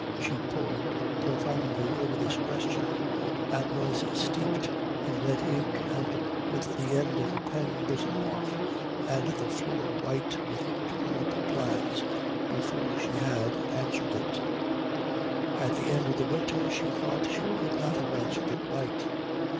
She pored profoundly over this question, and was steeped in red ink and with the end of her pen bitten off and the floor white with torn up plans before she had answered it. At the end of the winter she thought she could not have answered it right.